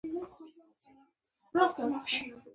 الف : امام غزالی رحمه الله وایی